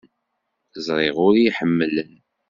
Ẓriɣ ur iyi-ḥemmlen.